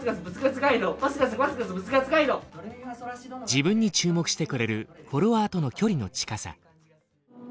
自分に注目してくれるフォロワーとの距離の近さ。